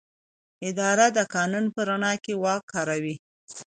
اداره د قانون په رڼا کې واک کاروي.